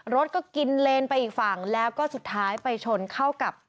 รถก็กินเลนไปอีกฝั่งแล้วก็สุดท้ายไปชนเข้ากับ